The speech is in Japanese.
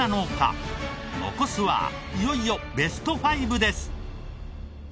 残すはいよいよベスト５です。